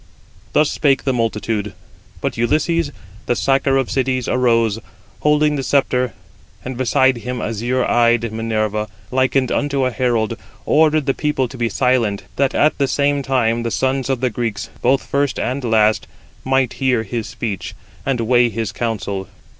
Thus spake the multitude; but Ulysses, the sacker of cities, arose, holding the sceptre, and beside him azure eyed Minerva, likened unto a herald, ordered the people to be silent, that at the same time the sons of the Greeks, both first and last, might hear his speech, and weigh his counsel.